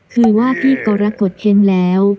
คือว่าพี่กรกฎเห็นแล้ว